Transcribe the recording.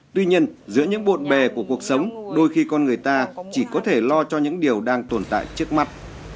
tuy nhiên giữa những bộn bề của cuộc sống đôi khi con người ta chỉ có thể lo cho những điều đang tồn tại trước mắt